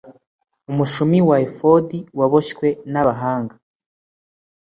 umushumi wa efodi waboshywe n’ abahanga.